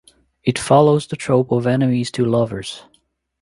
It follows the trope of enemies to lovers.